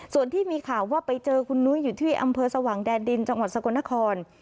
ส่วนที่มีข่าวว่าไปเจอคุณนุ้ยอยู่ที่อำเภอสว่างแดนดินจังหวัดสกลนคร